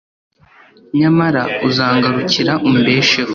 nyamara uzangarukira umbesheho